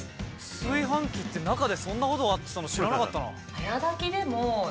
炊飯器って中でそんな事になってたの知らなかったな。